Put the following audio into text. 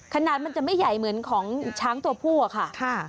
ขนาดมันจะไม่ใหญ่เหมือนของช้างตัวผู้อะค่ะ